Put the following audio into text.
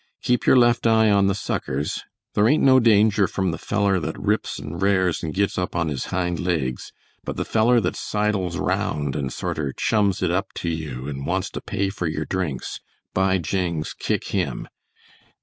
Keep your left eye on the suckers. There ain't no danger from the feller that rips and rares and gits up on his hind legs, but the feller that sidles raound and sorter chums it up to you and wants to pay fer your drinks, by Jings, kick him.